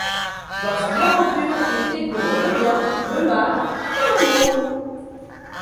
Dans son aventure, il découvre le bien, le mal et l'amour.